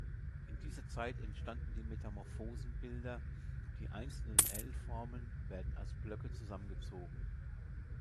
In dieser Zeit entstanden die „Metamorphosen“-Bilder: Die einzelnen L-Formen werden als Blöcke zusammengezogen.